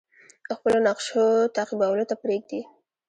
خپلو نقشو تعقیبولو ته پریږدي.